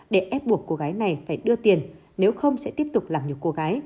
để ép buộc cô gái này phải đưa tiền nếu không sẽ tiếp tục làm nhiều cô gái